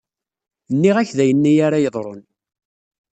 Nniɣ-ak d ayenni ara yeḍṛun.